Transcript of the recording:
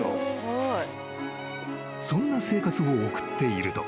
［そんな生活を送っていると］